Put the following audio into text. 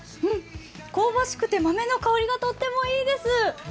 うん、香ばしくて豆の香りがとってもいいです。